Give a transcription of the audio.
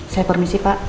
saya permisi pak